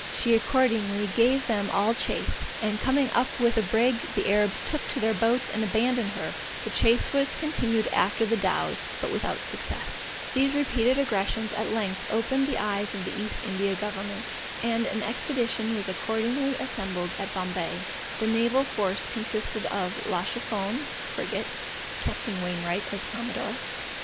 She accordingly gave them all chase, and coming up with the brig, the Arabs took to their boats and abandoned her. The chase was continued after the dows, but without success. [Illustration: The Neried Frigate chasing a Fleet of Joassamee Dows.] These repeated aggressions at length opened the eyes of the East India Government, and an expedition was accordingly assembled at Bombay. The naval force consisted of La Chiffone, frigate, Capt. Wainwright, as commodore.